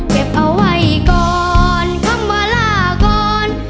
เก็บเอาไว้ก่อนคำว่าลาก่อน